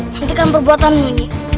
nantikan perbuatanmu ini